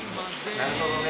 なるほどね。